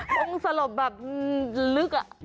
คงสลบแบบลึกอะ